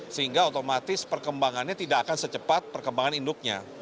sehingga otomatis perkembangannya tidak akan secepat perkembangan induknya